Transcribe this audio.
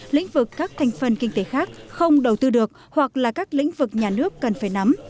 lĩnh vực các thành phần kinh tế khác không đầu tư được hoặc là các lĩnh vực nhà nước cần phải nắm